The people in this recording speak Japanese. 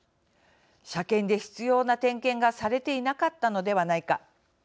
車検で必要な点検がされていなかったのではないか。